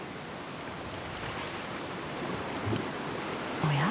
おや？